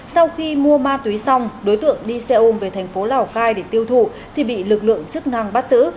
sau khi mua ma túy xong đối tượng đi xe ôm về thành phố lào cai để tiêu thụ thì bị lực lượng chức năng bắt giữ